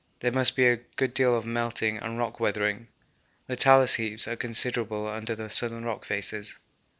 There must be a good deal of melting and rock weathering, the talus heaps are considerable under the southern rock faces.